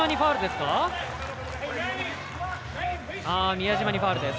宮島にファウルです。